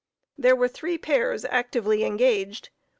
There were three pairs actively engaged.